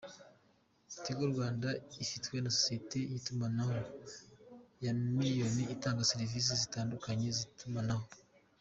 Tigo Rwanda ifitwe na sosiyete y’itumanaho ya Millicom itanga serivisi zitandukanye z’itumanaho.